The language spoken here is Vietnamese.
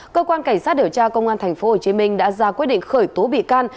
cơ quan cảnh sát điều tra công an tp hcm đã ra quyết định khởi tố bị can